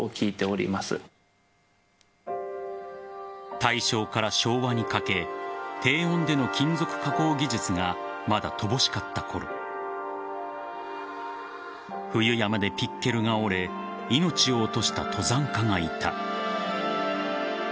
大正から昭和にかけ低温での金属加工技術がまだ乏しかったころ冬山でピッケルが折れ命を落とした登山家がいた。